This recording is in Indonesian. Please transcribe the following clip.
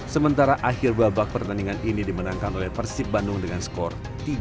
sementara akhir babak pertandingan ini dimenangkan oleh persib bandung dengan skor tiga satu